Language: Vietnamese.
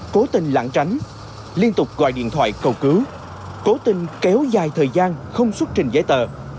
cố tình lãng tránh liên tục gọi điện thoại cầu cứ cố tình kéo dài thời gian không xuất trình giấy tờ